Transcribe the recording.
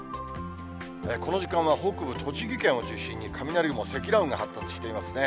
この時間は北部、栃木県を中心に雷雲、積乱雲が発達していますね。